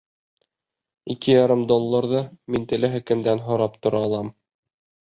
Ике ярым долларҙы мин теләһә кемдән һорап тора алам.